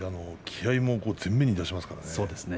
気合いも前面に出しますからね。